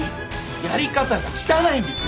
やり方が汚いんです！